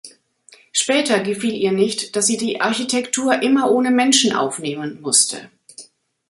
Später gefiel ihr nicht, dass sie „die Architektur immer ohne Menschen aufnehmen“ musste.